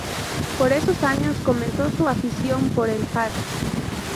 Por esos años comenzó su afición por el jazz.